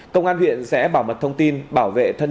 công an huyện sẽ bảo mật thông tin bảo vệ thân